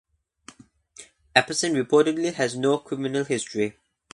Apperson reportedly has no criminal history.